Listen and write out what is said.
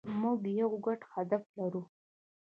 موږ یو ګډ هدف لرو.